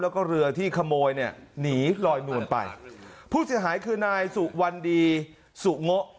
แล้วก็เรือที่ขโมยเนี่ยหนีลอยนวลไปผู้เสียหายคือนายสุวรรณดีสุโงะ